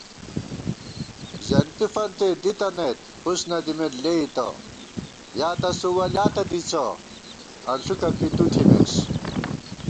زِیَنتی فنتی دِتنَئیت فُس نہ دِمېت لېئیتہ * یا تسُو ولیاتہ دِڅہ انݪُکہ پی تُو تھِمېس